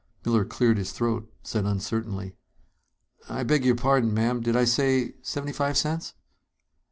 Miller cleared his throat, said uncertainly: "I beg your pardon, ma'am did I say seventy five cents?"